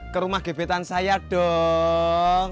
ke rumah gebetan saya dong